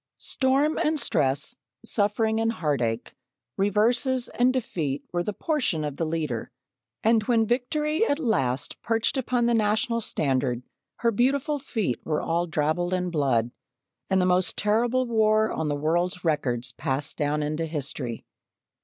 Storm and stress, suffering and heartache, reverses and defeat were the portion of the Leader, and when Victory at last perched upon the National standard, her beautiful feet were all drabbled in blood, and the most terrible war on the world's records passed down into history.